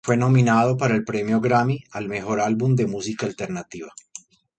Fue nominado para el Premio Grammy al Mejor Álbum de Música Alternativa.